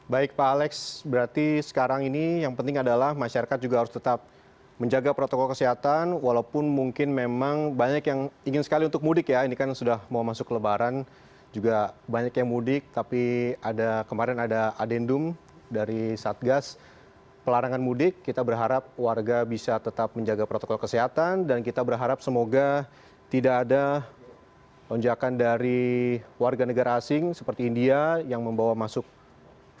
baik pak alex berarti sekarang ini yang penting adalah masyarakat juga harus tetap menjaga protokol kesehatan walaupun mungkin memang banyak yang ingin sekali untuk mudik ya ini kan sudah mau masuk kelebaran juga banyak yang mudik tapi ada kemarin ada adendum dari satgas pelarangan mudik kita berharap warga bisa tetap menjaga protokol kesehatan dan kita berharap semoga tidak ada lonjakan dari warga negara asing seperti india yang membawa masuk ke indonesia